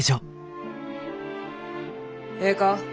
ええか？